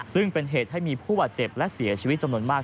ซึ่งเป็นเหตุให้มีผู้บาดเจ็บและเสียชีวิตจำนวนมาก